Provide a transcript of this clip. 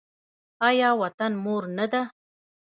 آیا وطن مور نه ده؟